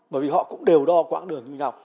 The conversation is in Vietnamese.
bởi vì họ cũng đều đo quãng đường như thế nào